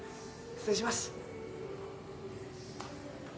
失礼します。